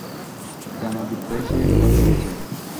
জানা বিদ্যাই সে ব্যবহার করেছে।